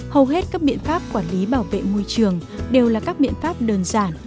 hầu hết các biện pháp quản lý bảo vệ môi trường đều là các biện pháp đơn giản